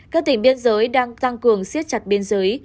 các tỉnh biên giới đang tăng cường siết chặt biên giới